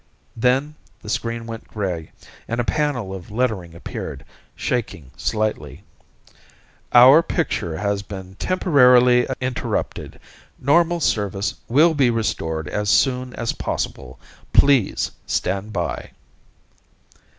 Then the screen want gray, and a panel of lettering appeared, shaking slightly. OUR PICTURE HAS BEEN TEMPORARILY INTERRUPTED. NORMAL SERVICE WILL BE RESTORED AS SOON AS POSSIBLE. PLEASE STAND BY.